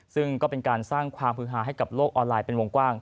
ซึ่งก็เป็นการสร้างความฮือฮาให้กับโลกออนไลน์เป็นวงกว้าง